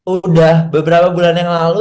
udah beberapa bulan yang lalu